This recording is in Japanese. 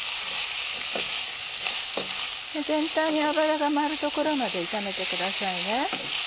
全体に油が回るところまで炒めてくださいね。